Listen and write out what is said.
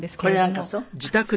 これなんかそう？